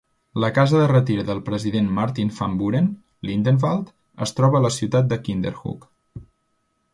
La casa de retir del president Martin Van Buren, Lindenwald, es troba a la ciutat de Kinderhook.